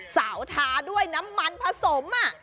เสาทางไฟด้วยน้ำมันผสม